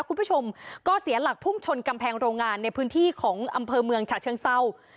คุณผู้ชมก็เสียหลักพุ่งชนกำแพงโรงงานในพื้นที่ของอำเภอเมืองฉะเชิงเศร้า